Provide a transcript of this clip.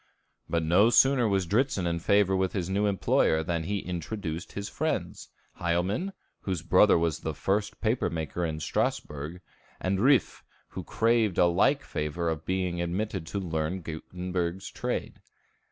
But no sooner was Dritzhn in favor with his new employer than he introduced his friends Hielman, whose brother was the first paper maker in Strasbourg, and Riffe, who craved a like favor of being admitted to learn Gutenberg's trade.